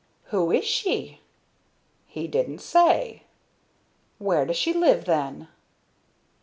"Who is she?" "He didn't say." "Where does she live, then?"